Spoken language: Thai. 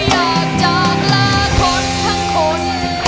อยากจะลาคนทั้งคน